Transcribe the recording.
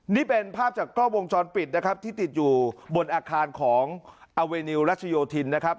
นี่เป็นภาพจากกล้องวงจรปิดนะครับที่ติดอยู่บนอาคารของอาเวนิวรัชโยธินนะครับ